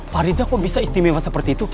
pak rizal kok bisa istimewa seperti itu